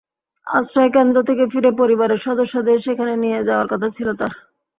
আশ্রয়কেন্দ্র থেকে ফিরে পরিবারের সদস্যদের সেখানে নিয়ে যাওয়ার কথা ছিল তাঁর।